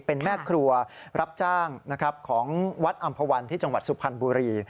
เป็นแม่ครัวรับจ้างนะครับของวัดอำภาวันที่จังหวัดสุพรรณบุรี